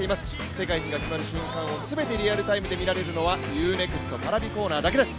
世界一が決まる瞬間を全てリアルタイムで見られるのはＵ−ＮＥＸＴＰａｒａｖｉコーナーだけです。